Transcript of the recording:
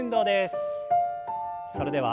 それでは。